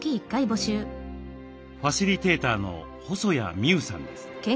ファシリテーターの細谷美宇さんです。